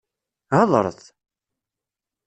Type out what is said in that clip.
Hedṛet!